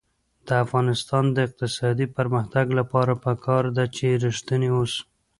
د افغانستان د اقتصادي پرمختګ لپاره پکار ده چې ریښتیني اوسو.